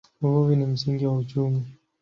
Uvuvi ni msingi wa uchumi.